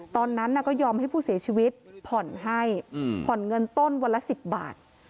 ตอนนั้นก็ยอมให้ผู้เสียชีวิตผ่อนให้ผ่อนเงินต้นวันละ๑๐บาท